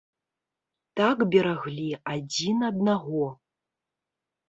Так бераглі адзін аднаго.